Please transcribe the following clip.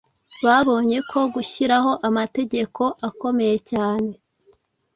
babonye ko gushyiraho amategeko akomeye cyane